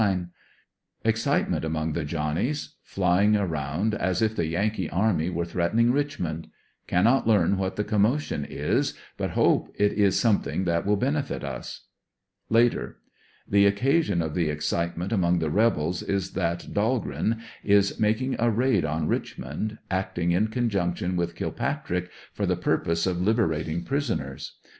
— Excitement among the Johnnies — flying around as if the Yankee army were threatening Richmond. Cannot learn what the commotion is, but hope it is something that will benefit us. Later: The occasion of the excitement among the rebels is that Dahlgreen is making a raid on Richmond, acting in conjunction w^ith Kilpatrick, for the purpose of liberating prisoners.